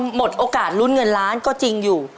หมดโอกาสลุ้นเงินล้านก็จริงอยู่